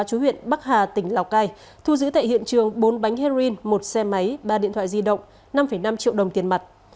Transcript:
chú huyện bắc hà tỉnh lào cai thu giữ tại hiện trường bốn bánh heroin một xe máy ba điện thoại di động năm năm triệu đồng tiền mặt